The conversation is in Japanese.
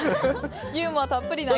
ユーモアたっぷりの。